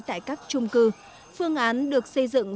tại các trung cư phương án được xây dựng